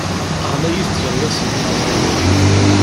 Γlayit tkeryas di Lezzayer.